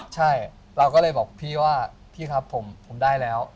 ใช่เราก็เลยบอกพี่ว่าพี่ครับผมได้แล้ว